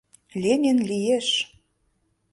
Ленин лиеш